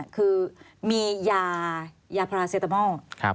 คือมียายาพราเซตามอล